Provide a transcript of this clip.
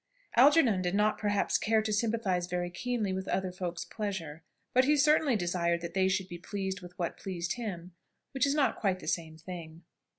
Algernon did not perhaps care to sympathise very keenly with other folks' pleasure, but he certainly desired that they should be pleased with what pleased him, which is not quite the same thing.